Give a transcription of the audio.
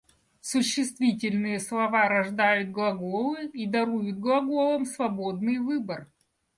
Существительные слова рождают глаголы и даруют глаголам свободный выбор.